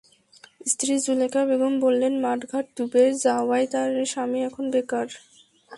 স্ত্রী জুলেখা বেগম বললেন, মাঠঘাট ডুবে যাওয়ায় তাঁর স্বামী এখন বেকার।